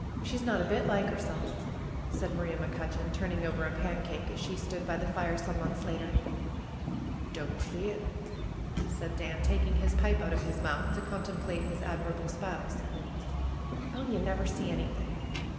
She's not a bit like 'erself/^ said Maria Mc Cutcheon, turning over a pancake, as she stood by the fire, some months later. ^^Don't see it!" said Dan, taking his pipe out of his mouth, to contemplate his admirable spouse. ^^Oh, ye never see anything!